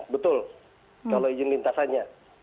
betul kalau izin lintasannya